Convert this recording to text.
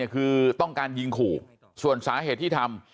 คือต้องการยิงขู่ส่วนสาเหตุที่ทำ